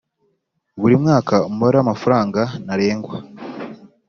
Buri mwaka umubare w amafaranga ntarengwa